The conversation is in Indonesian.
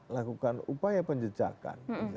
lakukan upaya penjejakan